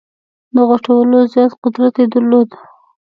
د غټولو زیات قدرت یې درلود.